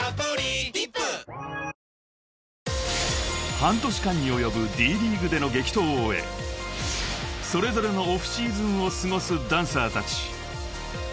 ［半年間に及ぶＤ．ＬＥＡＧＵＥでの激闘を終えそれぞれのオフシーズンを過ごすダンサーたち］